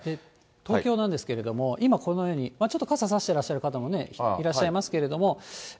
東京なんですけれども、今このように、ちょっと傘差してらっしゃる方もいらっしゃいますけれども。